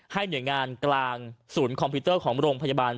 หน่วยงานกลางศูนย์คอมพิวเตอร์ของโรงพยาบาล